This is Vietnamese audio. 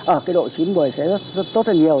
ở cái độ chín một mươi sẽ rất tốt hơn nhiều